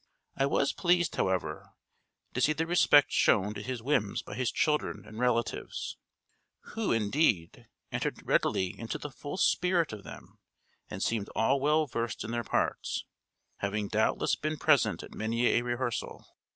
I was pleased, however, to see the respect shown to his whims by his children and relatives; who, indeed, entered readily into the full spirit of them, and seemed all well versed in their parts; having doubtless been present at many a rehearsal.